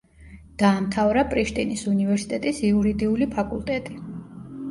დაამთავრა პრიშტინის უნივერსიტეტის იურიდიული ფაკულტეტი.